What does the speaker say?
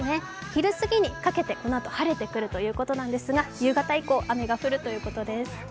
昼過ぎにかけて、このあと晴れてくるということですが、夕方以降、雨が降るということです